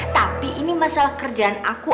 tapi ini masalah kerjaan aku